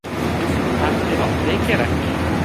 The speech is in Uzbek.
Tafsilot ne kerak…